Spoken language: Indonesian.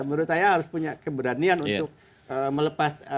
menurut saya harus punya keberanian untuk melepas